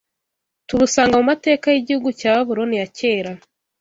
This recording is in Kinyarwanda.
tubusanga mu mateka y’igihugu cya Babuloni ya kera